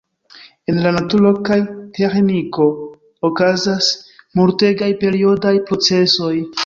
En la naturo kaj teĥniko okazas multegaj periodaj procesoj.